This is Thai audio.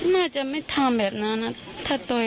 แม่จะไม่ทำแบบนั้นนะ